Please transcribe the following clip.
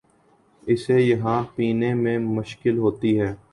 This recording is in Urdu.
اسے یہاں پنپنے میں مشکل ہوتی ہے۔